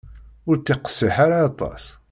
Ur ttiqsiḥ ara aṭas.